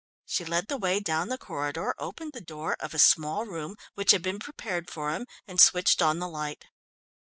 She led the way down the corridor, opened the door of a small room which had been prepared for him, and switched on the light.